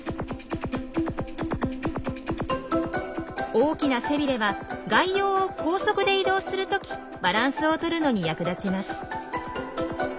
大きな背びれは外洋を高速で移動するときバランスをとるのに役立ちます。